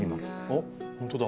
あっほんとだ。